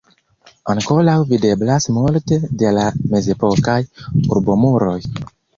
Ankoraŭ videblas multe de la mezepokaj urbomuroj.